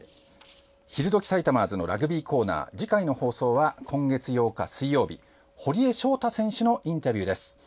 「ひるどき！さいたまず」のラグビーコーナー次回の放送は、今月８日水曜日堀江翔太選手のインタビューです。